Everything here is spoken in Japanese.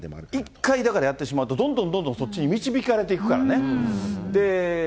一回だからやってしまうと、どんどんどんどんそっちに導かれてしまうからね。